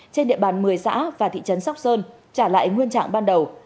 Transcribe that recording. trên địa bàn một mươi xã và thị trấn sóc sơn trả lại nguyên trạng ban đầu